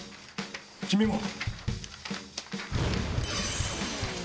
君も！